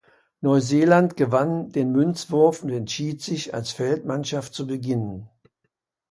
Neuseeland gewann den Münzwurf und entschied sich als Feldmannschaft zu beginnen.